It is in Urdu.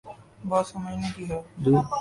بات سمجھنے کی ہے۔